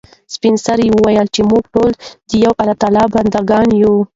سپین سرې وویل چې موږ ټول د یو الله بنده ګان یو.